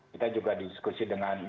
kita juga berdiskusi dengan membangun